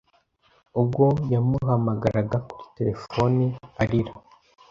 ubwo yamuhamagaraga kuri telefoni arira,